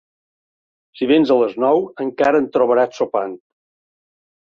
Si vens a les nou, encara em trobaràs sopant.